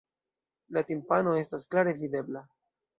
La timpano estas klare videbla.